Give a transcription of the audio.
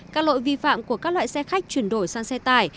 các lỗi vi phạm của các loại xe khách chuyển đổi sang xe tải